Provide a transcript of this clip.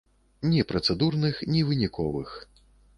Ні працэдурных, ні выніковых.